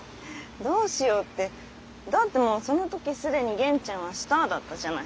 だってもうその時既に元ちゃんはスターだったじゃない。